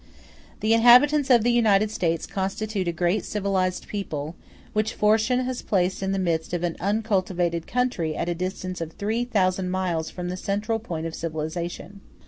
The inhabitants of the United States constitute a great civilized people, which fortune has placed in the midst of an uncultivated country at a distance of three thousand miles from the central point of civilization.